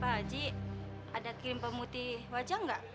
pak haji ada kirim pemutih wajah nggak